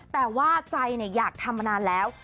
แต่ว่าใจอยากทำมานานแล้ว